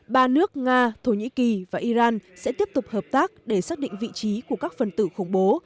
ba nước nga thổ nhĩ kỳ và iran sẽ tiếp tục hợp tác để xác định vị trí của các phần tử khủng bố